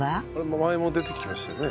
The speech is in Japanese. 前も出てきましたよね。